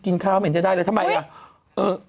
กินขาวเหม็นไม่ได้แค่ทำอาหารใต้